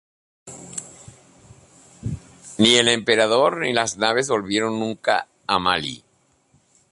Ni el emperador ni las naves volvieron nunca a Malí.